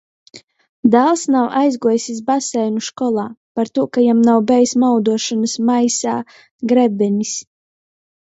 Dāls nav aizguojs iz baseinu školā, partū ka jam nav bejs mauduošonuos maisā grebenis.